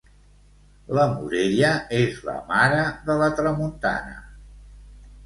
La morella és la mare de la tramuntana.